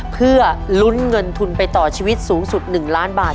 เพื่อลุ้นเงินทุนไปต่อชีวิตสูงสุด๑ล้านบาท